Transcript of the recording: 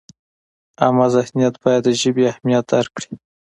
عامه ذهنیت باید د ژبې اهمیت درک کړي.